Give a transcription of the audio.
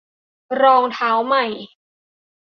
- รองเท้าใหม่